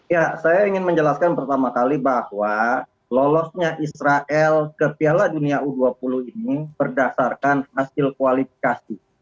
ya saya ingin menjelaskan pertama kali bahwa lolosnya israel ke piala dunia u dua puluh ini berdasarkan hasil kualifikasi